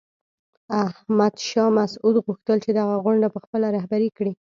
احمد شاه مسعود غوښتل چې دغه غونډه په خپله رهبري کړي.